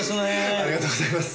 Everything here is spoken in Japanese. ありがとうございます。